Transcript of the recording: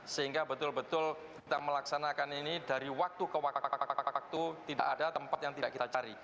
sehingga betul betul kita melaksanakan ini dari waktu ke waktu tidak ada tempat yang tidak kita cari